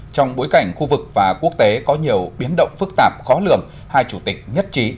trong bối cảnh khu vực và quốc tế có nhiều biến động phức tạp khó lường hai chủ tịch nhất trí